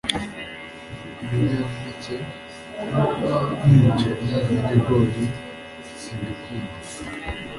Ibinyampeke nk'umuceri n'ibigori simbikunda